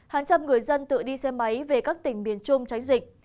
hàng trăm người dân tự đi xe máy về các tỉnh miền trung tránh dịch